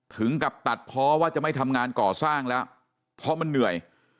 ถึงกับตัดเพราะว่าจะไม่ทำงานก่อสร้างแล้วเพราะมันเหนื่อย